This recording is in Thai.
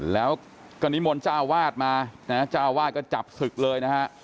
แล้วกะนิมลไจ้วาดมาไจ้วาดก็จับสึกเลยนะฮะ